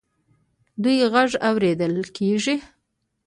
د دوی غږ اوریدل کیږي.